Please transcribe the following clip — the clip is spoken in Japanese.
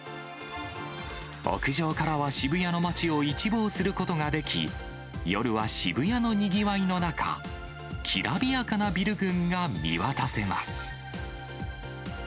屋上からは渋谷の街を一望することができ、夜は渋谷のにぎわいの中、きらびやかなビル群が見渡せます。